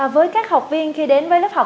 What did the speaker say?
với các học viên khi đến với lớp học